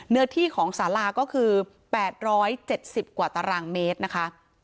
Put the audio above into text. เนื้อที่ของสาราก็คือ๘๗๐กว่าตารางเมตรนะคะ